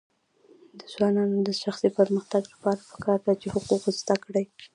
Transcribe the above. د ځوانانو د شخصي پرمختګ لپاره پکار ده چې حقوق زده کړي.